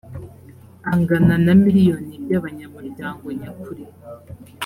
angana na miliyoni by’abanyamuryango nyakuri